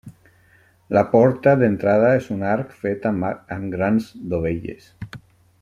La porta d'entrada és un arc fet amb grans dovelles.